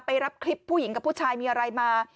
รับคลิปผู้หญิงกับผู้ชายมีอะไรมา